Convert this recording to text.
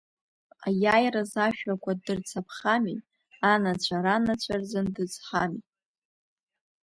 Аиааираз ашәақәа дырцаԥхами, анацәа Ранацәа рзын дыцҳами.